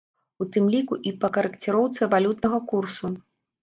У тым ліку і па карэкціроўцы валютнага курсу.